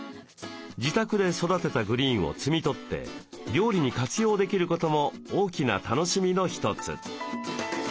自宅で育てたグリーンを摘み取って料理に活用できることも大きな楽しみの一つ。